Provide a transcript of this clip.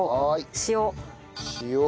塩。